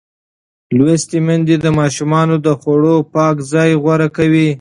لوستې میندې د ماشومانو د خوړو پاک ځای غوره کوي.